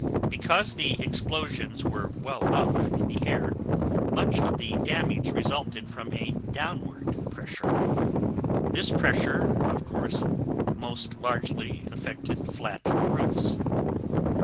Because the explosions were well up in the air, much of the damage resulted from a downward pressure. This pressure of course most largely effected flat roofs.